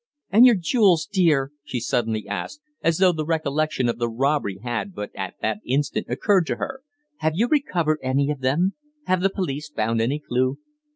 "And your jewels, dear!" she suddenly asked, as though the recollection of the robbery had but at that instant occurred to her. "Have you recovered any of them? Have the police found any clue?"